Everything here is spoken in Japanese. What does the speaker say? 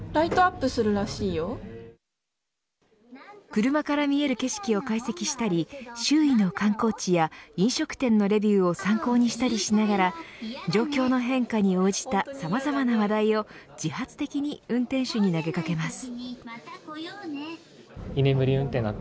車から見える景色を解析したり周囲の観光地や飲食店のレビューを参考にしたりしながら状況の変化に応じたさまざまな話題を自発的に運転手に投げかけます。